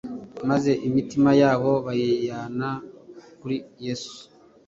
maze imitima yabo bayiyana kuri Yesu.